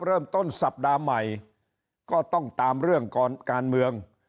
เริ่มต้นสัปดาห์ใหม่ก็ต้องตามเรื่องการเมือง